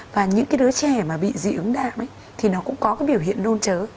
và những cái đứa trẻ mà bị dị ứng đạo ấy thì nó cũng có cái biểu hiện nôn chớ